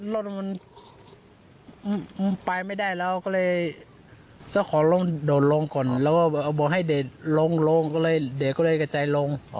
รถมันไปไม่ได้แล้วก็เลยเจ้าของลงโดดลงก่อนแล้วก็บอกให้เด็กลงลงก็เลยเด็กก็เลยกระจายลง